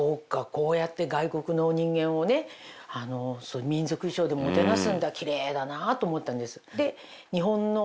こうやって外国の人間をね民族衣装でもてなすんだキレイだなって思ったんです。